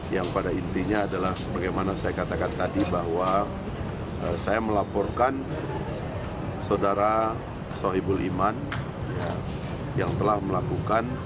yang pada intinya adalah bagaimana saya katakan tadi bahwa saya melaporkan saudara soebul iman yang telah melakukan